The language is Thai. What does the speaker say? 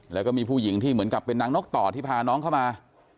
แล้วก็มีผู้หญิงที่เหมือนกับเป็นนางนกต่อที่พาน้องเข้ามา